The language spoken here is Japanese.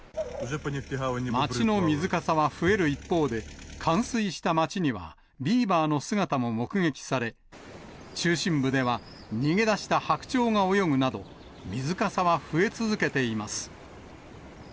町の水かさは増える一方で、冠水した町には、ビーバーの姿も目撃され、中心部では逃げ出した白鳥が泳ぐなど、水かさは増え続けています。